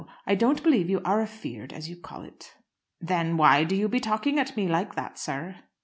I don't believe you are afeared as you call it." "Then why do you be talking at me like that, sir?"